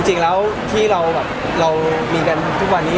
จริงแล้วที่เรามีกันทุกวันนี้